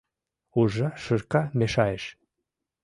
Уржа шырка мешайыш.